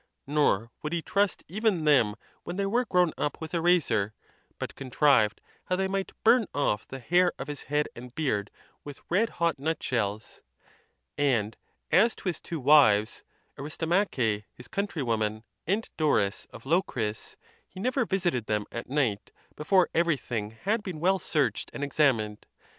Nor wonld he trust even them, when they were grown up, with a razor; but contrived how they might burn off the hair of his head and beard with red hot nutshells, / And as to his two wives, Aristomache, his countrywoman, and Doris of Locris, he never visited them at night before everything had been well searched and examined.